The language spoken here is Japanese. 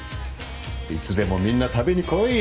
いつでもみんな食べに来い。